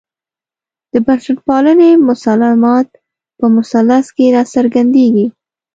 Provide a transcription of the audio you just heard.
د بنسټپالنې مسلمات په مثلث کې راڅرګندېږي.